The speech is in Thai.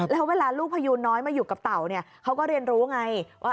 แล้วเวลาลูกพยูนน้อยมาอยู่กับเต่าเนี่ยเขาก็เรียนรู้ไงว่า